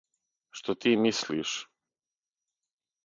Што ти мислиш.